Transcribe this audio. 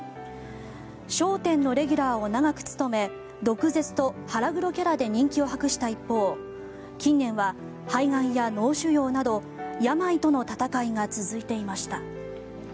「笑点」のレギュラーを長く務め毒舌と腹黒キャラで人気を博した一方近年は肺がんや脳腫瘍など病との闘いが続いていました。